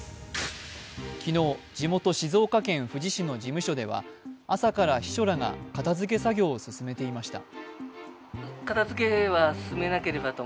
昨日、地元・静岡県富士市の事務所では朝から秘書らが片づけ作業を進めていました。